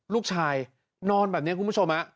ลูกชายนอนแบบนี้คุณผู้ชม